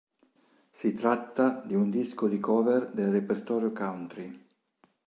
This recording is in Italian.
Si tratta di un disco di cover del repertorio country.